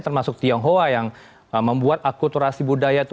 termasuk tionghoa yang membuat akulturasi budaya itu